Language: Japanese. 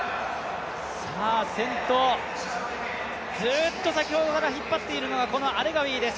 先頭、ずっと先ほどから引っ張っているのがアレガウィです。